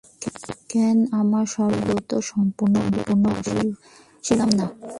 কেন আমার সর্বনাশের ব্রত সম্পূর্ণ করিয়া আসিলাম না।